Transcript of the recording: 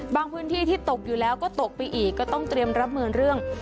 พื้นที่ที่ตกอยู่แล้วก็ตกไปอีกก็ต้องเตรียมรับมือเรื่อง